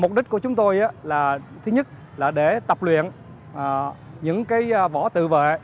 mục đích của chúng tôi là thứ nhất là để tập luyện những cái vỏ tự vệ